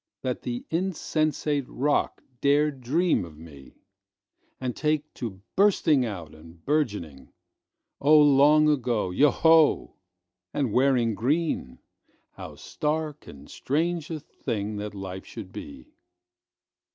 That the insensate rock dared dream of me, And take to bursting out and burgeoning—Oh, long ago—yo ho!—And wearing green! How stark and strange a thingThat life should be!